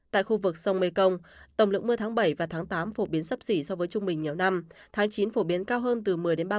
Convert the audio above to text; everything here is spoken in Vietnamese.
tại khu vực sông mekong tầm lượng mưa tháng bảy và tháng tám phổ biến sấp xỉ so với trung bình nhiều năm tháng chín phổ biến cao hơn từ một mươi ba mươi